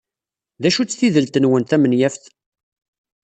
D acu-tt tidelt-nwen tamenyaft?